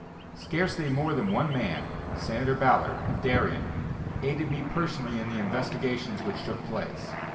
Scarcely more than one man, Senator Ballard, of Darien, aided me personally in the investigations which took place.